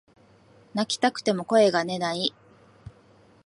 泣きたくても声が出ない